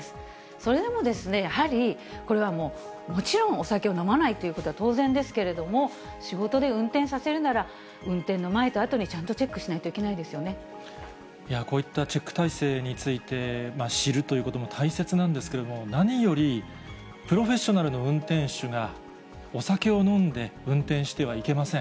それでもやはりこれはもう、もちろんお酒を飲まないということは当然ですけれども、仕事で運転させるなら、運転の前と後にちゃんとチェックしないとこういったチェック体制について、知るということも大切なんですけれども、何より、プロフェッショナルの運転手が、お酒を飲んで運転してはいけません。